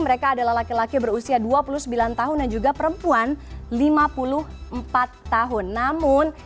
mereka adalah laki laki berusia dua puluh sembilan tahun dan juga perempuan lima puluh empat tahun